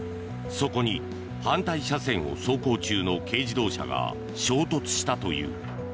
そこに反対車線を走行中の軽自動車が衝突したという。